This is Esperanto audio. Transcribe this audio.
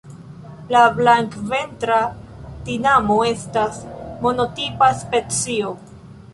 La Blankventra tinamo estas monotipa specio.